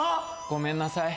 ごめんなさい。